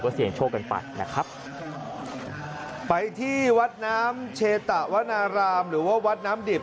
เสียงโชคกันไปนะครับไปที่วัดน้ำเชตะวนารามหรือว่าวัดน้ำดิบ